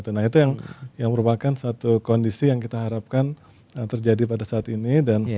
nah itu yang merupakan satu kondisi yang kita harapkan terjadi pada saat ini